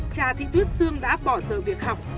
trà thị tuyết sương đã bỏ giờ việc học